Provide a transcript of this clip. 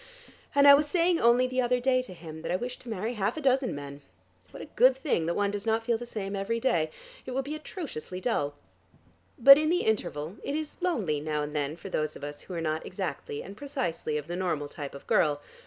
And I was saying only the other day to him that I wished to marry half a dozen men! What a good thing that one does not feel the same every day. It would be atrociously dull. But in the interval, it is lonely now and then for those of us who are not exactly and precisely of the normal type of girl.